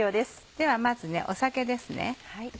ではまずお酒です。